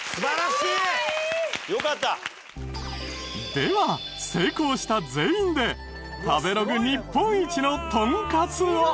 では成功した全員で食べログ日本一のトンカツを。